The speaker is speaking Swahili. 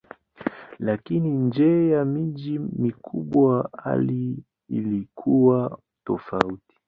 Lakini nje ya miji mikubwa hali ilikuwa tofauti.